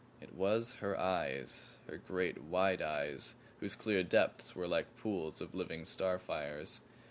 It was her eyes her great, wide eyes whose clear depths were like pools of living star fires.